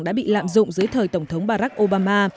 đã bị lạm dụng dưới thời tổng thống barack obama